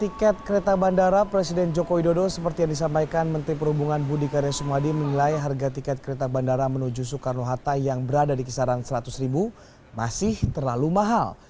tiket kereta bandara presiden joko widodo seperti yang disampaikan menteri perhubungan budi karya sumadi menilai harga tiket kereta bandara menuju soekarno hatta yang berada di kisaran seratus ribu masih terlalu mahal